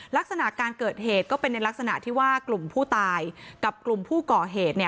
ลักษณะการเกิดเหตุก็เป็นในลักษณะที่ว่ากลุ่มผู้ตายกับกลุ่มผู้ก่อเหตุ